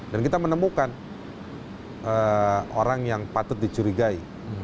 dan kita menemukan orang yang patut dicurigai